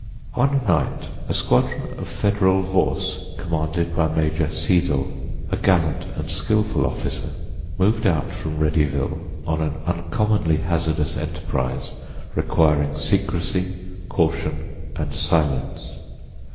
One night a squadron of Federal horse commanded by Major Seidel, a gallant and skillful officer, moved out from Readyville on an uncommonly hazardous enterprise requiring secrecy, caution and silence.